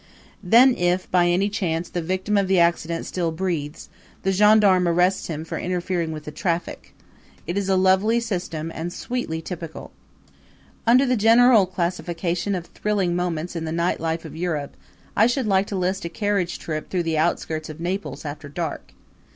Then if, by any chance, the victim of the accident still breathes, the gendarme arrests him for interfering with the traffic. It is a lovely system and sweetly typical. Under the general classification of thrilling moments in the night life of Europe I should like to list a carriage trip through the outskirts of Naples after dark.